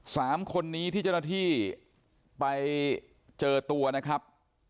สามคนนี้ที่เจ้าหน้าที่ไปเจอตัวนะครับ